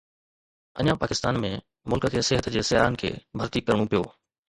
اڃا پاڪستان ۾، ملڪ کي صحت جي سياحن کي ڀرتي ڪرڻو پيو.